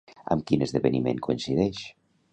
Amb quin esdeveniment coincideix?